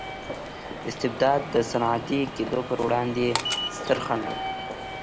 استبداد د صنعتي کېدو پروړاندې ستر خنډ و.